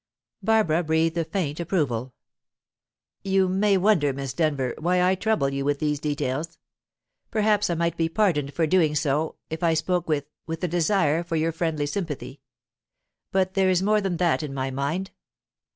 Barbara breathed a faint approval. "You may wonder, Miss Denyer, why I trouble you with these details. Perhaps I might be pardoned for doing so, if I spoke with with a desire for your friendly sympathy. But there is more than that in my mind.